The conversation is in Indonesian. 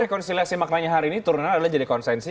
rekonsiliasi maknanya hari ini turunan adalah jadi konsensi